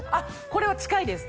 これは近いです